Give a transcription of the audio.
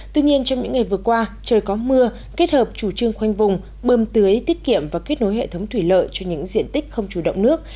tuy nhiên trong những ngày vừa qua trời có mưa kết hợp chủ trương khoanh vùng bơm tưới tiết kiệm và kết nối hệ thống thủy lợi cho những diện tích không chủ động nước